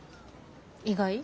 意外？